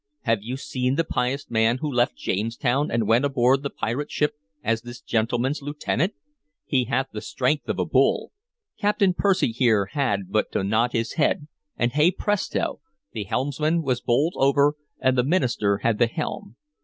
"Have you seen the pious man who left Jamestown and went aboard the pirate ship as this gentleman's lieutenant? He hath the strength of a bull. Captain Percy here had but to nod his head, and hey, presto! the helmsman was bowled over, and the minister had the helm.